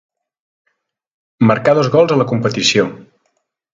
Marcà dos gols a la competició.